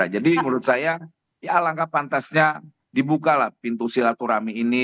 jadi menurut saya ya langkah pantasnya dibuka lah pintu silaturahmi ini